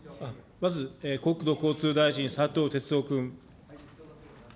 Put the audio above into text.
まず、国土交通大臣、斉藤鉄夫君。